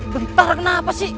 bentar kenapa sih